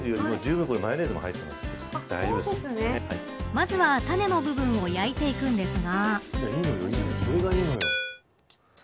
まずはタネの部分を焼いていくんですが。